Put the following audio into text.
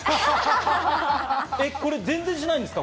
これ全然しないんですか？